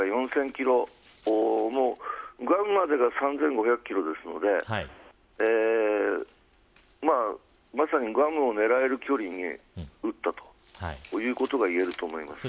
キログアムまでが３５００キロメートルなのでまさにグアムを狙える距離に撃ったということが言えると思います。